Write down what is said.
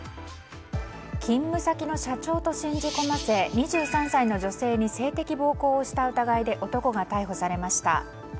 勤務先の社長と信じ込ませ２３歳の女性に性的暴行をした疑いで男が逮捕されました。